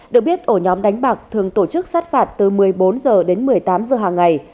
được biết ổ nhóm đánh bạc thường tổ chức sát phạt từ một mươi bốn h đến một mươi tám h hàng ngày